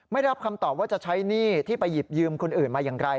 ได้รับคำตอบว่าจะใช้หนี้ที่ไปหยิบยืมคนอื่นมาอย่างไร